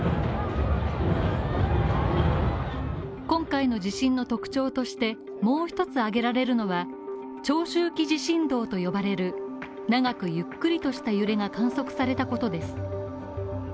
今回の地震の特徴として、もう一つ挙げられるのは長周期地震動と呼ばれる長くゆっくりとした揺れが観測されたことです